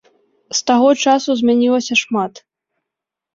З таго часу змянілася шмат.